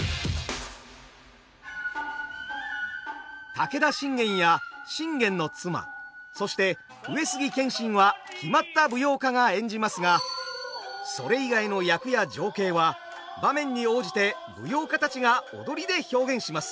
武田信玄や信玄の妻そして上杉謙信は決まった舞踊家が演じますがそれ以外の役や情景は場面に応じて舞踊家たちが踊りで表現します。